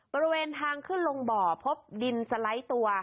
บริเวณทางขึ้นลงบ่อพบดินสไลด์ตัว